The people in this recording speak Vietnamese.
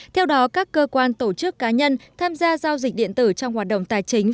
theo đó các cơ quan tổ chức cá nhân tham gia giao dịch điện tử trong hoạt động tài chính